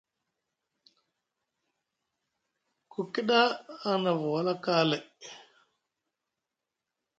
Ku kida aŋ nava wala kaalay.